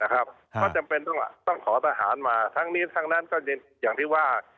ก็จำเป็นต้องขอทหารมาทั้งนี้ทั้งนั้นก็อย่างที่ว่า